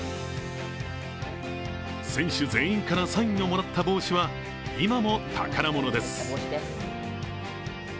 選手全員からサインをもらった帽子は今も宝物です。